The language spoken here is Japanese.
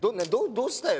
どうしたよ